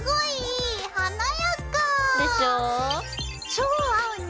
超合うね